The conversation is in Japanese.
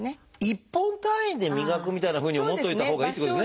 １本単位で磨くみたいなふうに思っておいたほうがいいってことですね。